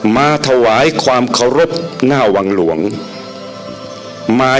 มาถวายความเคารพนั้นมา